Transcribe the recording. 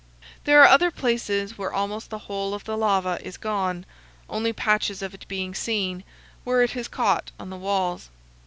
There are other places where almost the whole of the lava is gone, only patches of it being seen, where it has caught on the walls.